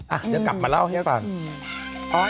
อ่ะเดี๋ยวกลับมาเล่าเทียบก่อน